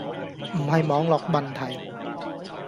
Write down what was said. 唔係網絡問題